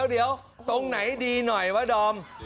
เดี๋ยวตรงไหนดีหน่อยวะดอม